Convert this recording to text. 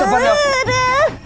sabar ya bu nek